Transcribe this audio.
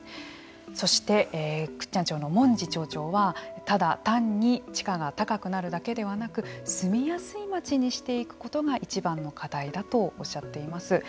そして、倶知安町の文字町長はただ単に地価が高くなるだけではなく住みやすい町にしていくことがいちばんの課題だとおっしゃっています。